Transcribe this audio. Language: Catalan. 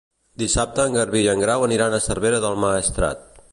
Dissabte en Garbí i en Grau aniran a Cervera del Maestrat.